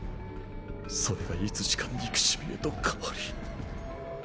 それがいつしか憎しみへと変わり。